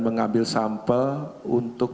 mengambil sampel untuk